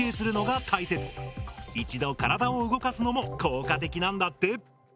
一度体を動かすのも効果的なんだって。